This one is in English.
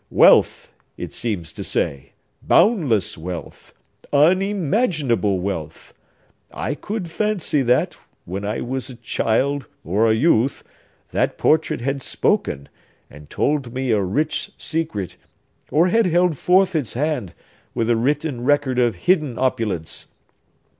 Wealth, it seems to say!—boundless wealth!—unimaginable wealth! I could fancy that, when I was a child, or a youth, that portrait had spoken, and told me a rich secret, or had held forth its hand, with the written record of hidden opulence.